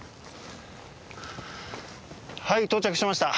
はい到着しました。